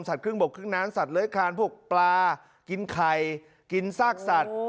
สัตว์เครื่องบบเครื่องน้ำสัตว์เล้ยคลานพวกปลากินไข่กินซากสัตว์